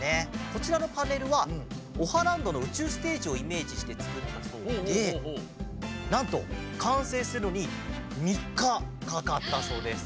こちらのパネルはオハランドのうちゅうステージをイメージしてつくったそうでなんとかんせいするのにみっかかかったそうです。